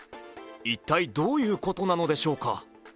一体どういうことなのでしょうか。